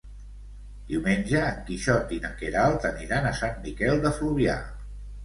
Diumenge en Quixot i na Queralt aniran a Sant Miquel de Fluvià.